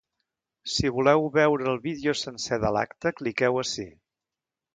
Si voleu veure el vídeo sencer de l’acte cliqueu ací.